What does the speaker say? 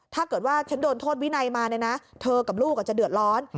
ถ้าเกิดว่าฉันโดนโทษวินัยมาเนี่ยนะเธอกับลูกจะเดือดร้อน